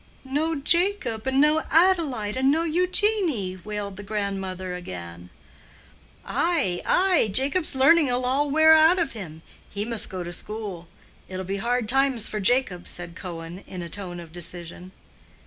"No Jacob, and no Adelaide, and no Eugenie!" wailed the grandmother again. "Ay, ay, Jacob's learning 'ill all wear out of him. He must go to school. It'll be hard times for Jacob," said Cohen, in a tone of decision.